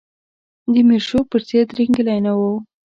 د میرشو په څېر ترینګلی نه و.